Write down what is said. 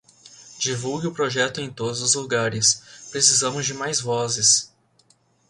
Divulgue o projeto em todos os lugares, precisamos de mais vozes